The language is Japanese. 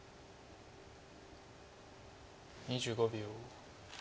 ２５秒。